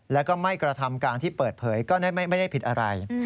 แล้วก็ไม่กระทำการที่เปิดเผยก็ไม่ได้ผิดอะไร